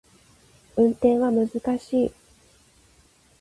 運転は難しい